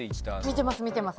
見てます。